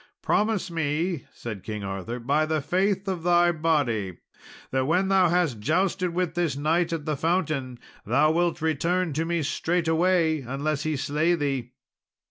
"Promise me," said King Arthur, "by the faith of thy body, that when thou hast jousted with this knight at the fountain, thou wilt return to me straightway, unless he slay thee."